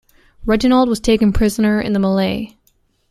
Reginald was taken prisoner in the melee.